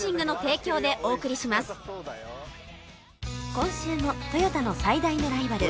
今週もトヨタの最大のライバル